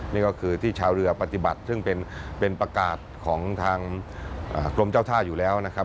นี่ก็คือที่ชาวเรือปฏิบัติซึ่งเป็นประกาศของทางกรมเจ้าท่าอยู่แล้วนะครับ